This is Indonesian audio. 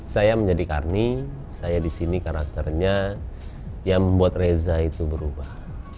saya menjadi karni saya di sini karakternya yang membuat reza itu berubah